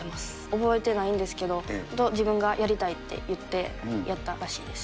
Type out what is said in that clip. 覚えてないんですけど、自分がやりたいって言ってやったらしいです。